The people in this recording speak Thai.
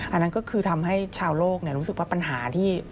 อันนั้นก็คือทำให้ชาวโลกรู้สึกว่าปัญหาที่